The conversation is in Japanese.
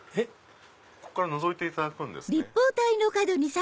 こっからのぞいていただくんですね。